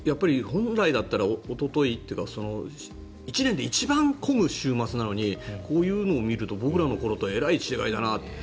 本来だったらおとといというか１年で一番混む週末なのにこういうのを見ると僕らの時代とはえらい違いだなと。